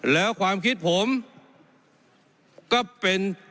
แล้วความคิดผมก็เป็น